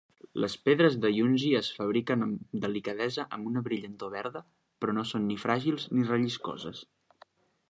Les pedres de Yunzi es fabriquen amb delicadesa amb una brillantor verda, però no són ni fràgils ni relliscoses.